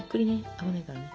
危ないからね。